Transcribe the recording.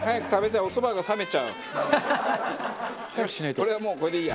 俺はもうこれでいいや。